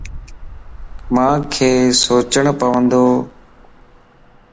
مانک سوچڻ پوندو